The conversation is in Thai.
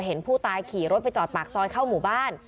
เห็นผู้ตายขี่รถไปจอดปากซอยเข้าหมู่บ้าน